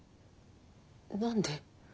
何で？